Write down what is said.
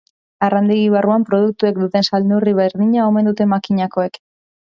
Arrandegi barruan produktuek duten salneurri berdina omen dute makinakoek.